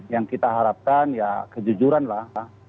yang kita harapkan ya kejujuran lah